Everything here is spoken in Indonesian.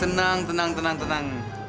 tenang tenang tenang tenang